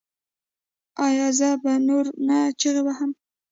ایا زه به نور نه چیغې وهم؟